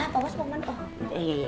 ah pak waspomen pak